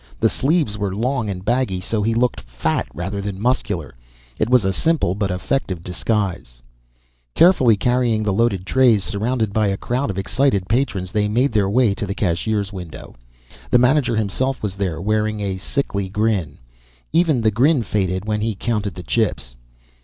The sleeves were long and baggy so he looked fat rather than muscular. It was a simple but effective disguise. Carefully carrying the loaded trays, surrounded by a crowd of excited patrons, they made their way to the cashier's window. The manager himself was there, wearing a sickly grin. Even the grin faded when he counted the chips.